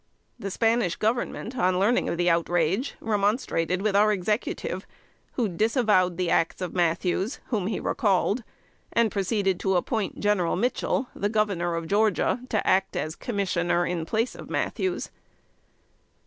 The Spanish Government, on learning the outrage, remonstrated with our Executive, who disavowed the acts of Mathews, whom he recalled; and proceeded to appoint General Mitchell, the Governor of Georgia, to act as Commissioner, in place of Mathews.